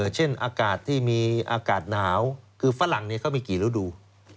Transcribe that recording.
เช่นอากาศนาวแบบว่าไว้พณธ์ฝรั่งมีกี่ฤดูษ์